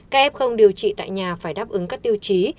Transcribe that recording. các f không điều trị tại nhà phải đáp ứng các tiêu chí